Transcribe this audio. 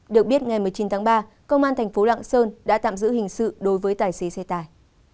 được biết ngày một mươi chín tháng ba công an thành phố lạng sơn đã tạm giữ hình sự đối với tài xế xe tải